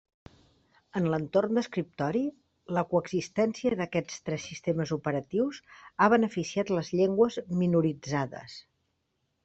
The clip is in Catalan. En l'entorn d'escriptori, la coexistència d'aquests tres sistemes operatius ha beneficiat les llengües minoritzades.